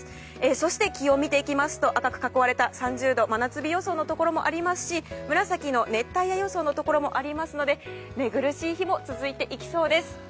そして、気温を見ていきますと赤く囲われた３０度、真夏日予想のところもありますし紫の熱帯夜予想のところもありますので寝苦しい日も続いていきそうです。